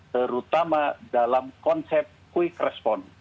terutama dalam konsep quick response